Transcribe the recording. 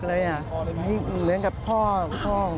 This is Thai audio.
ลำบาทที่เดินเพื่อถูกหลุม